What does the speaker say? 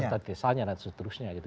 antitesanya dan seterusnya gitu